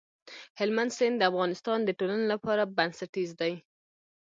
هلمند سیند د افغانستان د ټولنې لپاره بنسټيز دی.